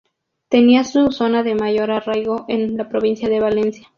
Tenía su zona de mayor arraigo en la provincia de Valencia.